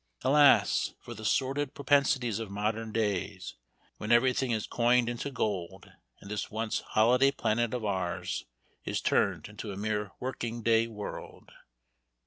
Alas! for the sordid propensities of modern days, when everything is coined into gold, and this once holiday planet of ours is turned into a mere 'working day world.'"